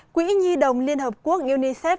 quỹ nhi đồng liên hợp quốc unicef